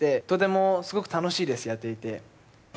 とてもすごく楽しいです、やっていて。